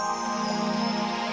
apa bangun fa